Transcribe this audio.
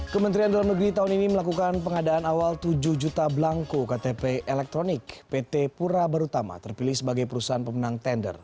kementerian dalam negeri tahun ini melakukan pengadaan awal tujuh juta belangko ktp elektronik pt pura barutama terpilih sebagai perusahaan pemenang tender